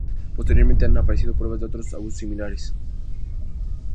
Posteriormente, han aparecido pruebas de otros abusos similares.